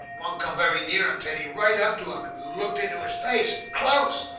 One come very near 'im, Teddy, right up to 'im, and looked into 'is face close.